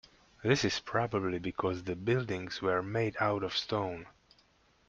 This is probably because the buildings were made out of stone.